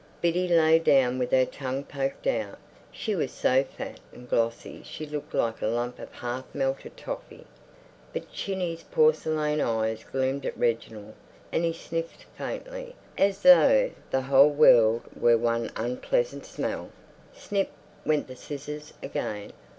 Biddy lay down with her tongue poked out; she was so fat and glossy she looked like a lump of half melted toffee. But Chinny's porcelain eyes gloomed at Reginald, and he sniffed faintly, as though the whole world were one unpleasant smell. Snip, went the scissors again.